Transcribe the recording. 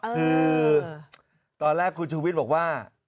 คือตอนแรกคุณชูวิทย์บอกว่า